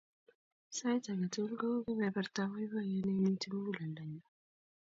Sait ake tukul kou kepepertap poipoyet ne inyiti muguleldannyu.